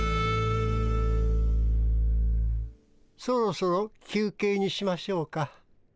そろそろ休憩にしましょうか。